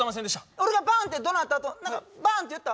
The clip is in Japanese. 俺がバーンってどなったあと何かバーンって言った？